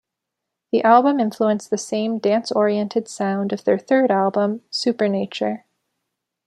The album influenced the same dance-oriented sound of their third album "Supernature".